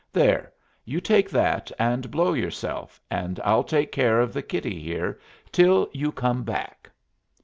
"There you take that and blow yourself, and I'll take care of the kitty here till you come back."